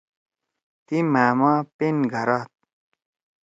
تی مھأما پِن گھرَاد۔